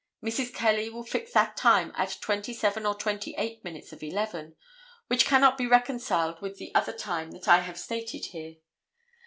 Mrs. Kelly will fix that time at twenty seven or twenty eight minutes of 11, which cannot be reconciled with the other time that I have stated here.